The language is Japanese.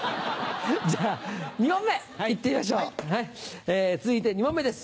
じゃあ２問目行ってみましょう続いて２問目です。